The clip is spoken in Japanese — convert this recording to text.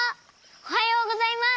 おはようございます。